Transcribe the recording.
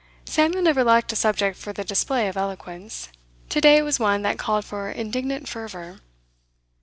Samuel never lacked a subject for the display of eloquence. Today it was one that called for indignant fervour.